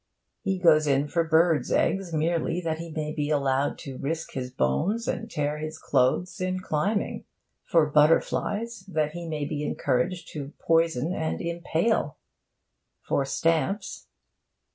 He goes in for birds' eggs merely that he may be allowed to risk his bones and tear his clothes in climbing; for butterflies, that he may be encouraged to poison and impale; for stamps...